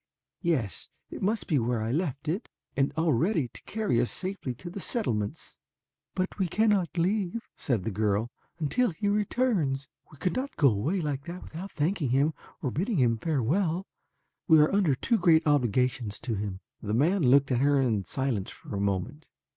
Yes, it must be where I left it and all ready to carry us safely to the settlements." "But we cannot leave," said the girl, "until he returns. We could not go away like that without thanking him or bidding him farewell. We are under too great obligations to him." The man looked at her in silence for a moment.